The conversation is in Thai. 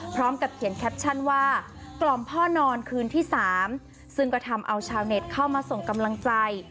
พร้อมกับเขียนแคปชั่นว่ากล่อมพ่อนอนคืนที่๓ซึ่งก็ทำเอาชาวเน็ตเข้ามาส่งกำลังใจ